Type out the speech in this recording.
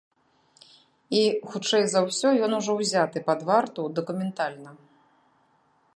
І хутчэй за ўсё ён ужо ўзяты пад варту дакументальна.